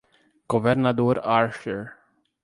Governador Archer